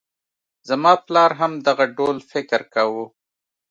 زما پلار هم دغه ډول فکر کاوه.